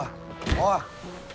おい！